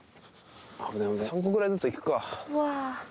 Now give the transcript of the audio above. ３個くらいずついくか。